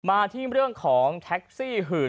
มาที่เรื่องของแท็กซี่หื่น